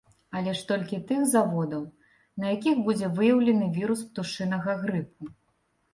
Але ж толькі тых заводаў, на якіх будзе выяўлены вірус птушынага грыпу.